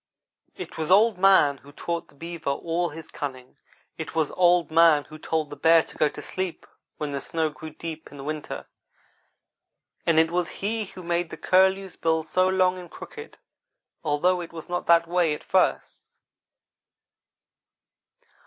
It was Old man who taught the beaver all his cunning. It was Old man who told the bear to go to sleep when the snow grew deep in winter, and it was he who made the curlew's bill so long and crooked, although it was not that way at first.